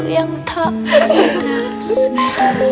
yang tak sudah setuju